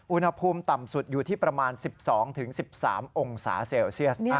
อุณหภูมิต่ำสุดอยู่ที่ประมาณ๑๒๑๓องศาเซลเซียส